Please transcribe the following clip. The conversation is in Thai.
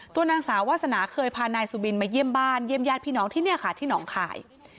ตัวนางสาววาสนาเคยพานายสุบินมาเยี่ยมบ้านเยี่ยมญาติพี่น้องที่นี่ค่ะที่หนองคาย